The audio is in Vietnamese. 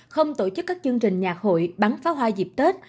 không tổ chức các chương trình nhạc hội bắn pháo hoa dịp tết